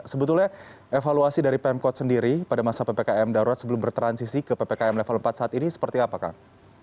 sebetulnya evaluasi dari pemkot sendiri pada masa ppkm darurat sebelum bertransisi ke ppkm level empat saat ini seperti apa kang